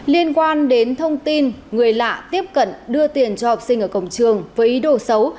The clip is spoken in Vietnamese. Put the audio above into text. liên quan đến thông tin người lạ tiếp cận đưa tiền cho học sinh ở cổng trường với ý đồ xấu